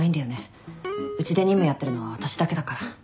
うちで任務やってるのは私だけだから。